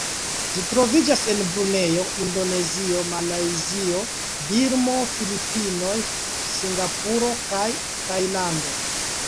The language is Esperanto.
Ĝi troviĝas en Brunejo, Indonezio, Malajzio, Birmo, Filipinoj, Singapuro kaj Tajlando.